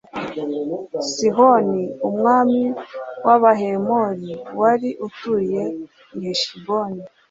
sihoni, umwami w'abahemori wari utuye i heshiboni